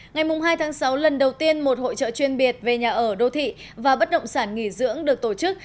ngày hai tháng sáu lần đầu tiên một hội trợ chuyên biệt về nhà ở đô thị và bất động sản nghỉ dưỡng được tổ chức